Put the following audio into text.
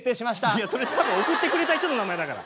いやそれ多分送ってくれた人の名前だから。